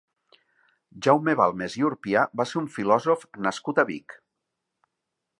Jaume Balmes i Urpià va ser un filòsof nascut a Vic.